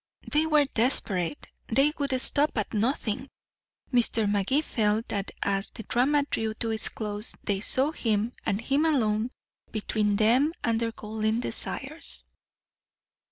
They were desperate; they would stop at nothing; Mr. Magee felt that as the drama drew to its close they saw him and him alone between them and their golden desires.